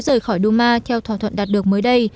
rời khỏi duma theo thỏa thuận đạt được mới đây